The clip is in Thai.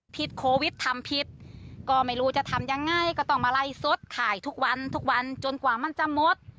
โควิดทำผิดก็ไม่รู้จะทำยังไงก็ต้องมาไล่สดขายทุกวันทุกวันจนกว่ามันจะหมด